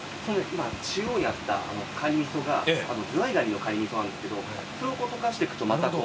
今中央にあったカニ味噌がズワイガニのカニ味噌なんですけどそれを溶かしていくとまたこう。